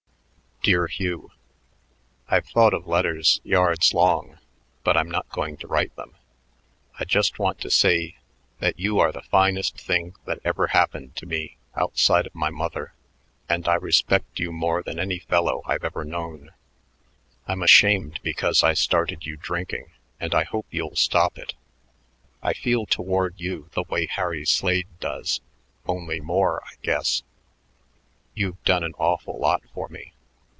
Dear Hugh: I've thought of letters yards long but I'm not going to write them. I just want to say that you are the finest thing that ever happened to me outside of my mother, and I respect you more than any fellow I've ever known. I'm ashamed because I started you drinking and I hope you'll stop it. I feel toward you the way Harry Slade does, only more I guess. You've done an awful lot for me.